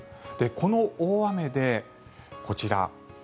この大雨で、こちら。